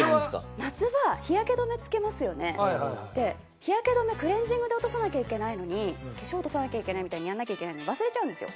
日焼け止めクレンジングで落とさなきゃいけないのに化粧を落とさなきゃいけないみたいにやらなきゃいけないのに忘れちゃうんですよ。